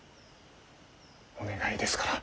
お願いですから。